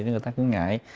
nên người ta cũng ngại